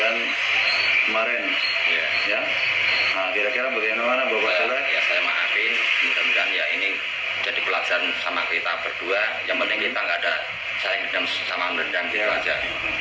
yang penting kita gak ada saya gendam sama gendam kita aja